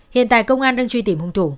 hiện tại công an đang truy tìm hùng thủ